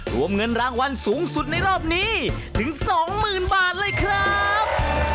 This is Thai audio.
รวมเงินรางวัลสูงสุดในรอบนี้ถึง๒๐๐๐บาทเลยครับ